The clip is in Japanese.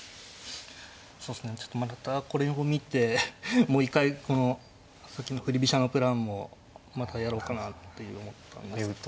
そうですねちょっとまたこれを見てもう一回この先の振り飛車のプランもまたやろうかなって思った。